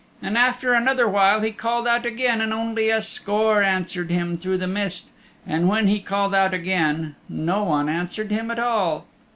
And after another while he called out again and only a score answered him through the mist, and when he called out again no one answered him at all.